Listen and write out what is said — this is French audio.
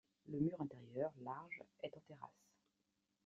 Le mur intérieur, large, est en terrasse.